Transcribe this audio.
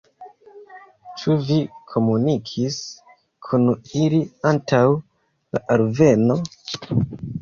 Ĉu vi komunikis kun ili antaŭ la alveno?